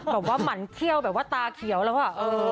บอกว่ามันเขี้ยวแบบว่าตาเขียวเลยวะ